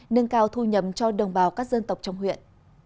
nâng cao thu nhầm cho đồng bào các dân tộc trong huyện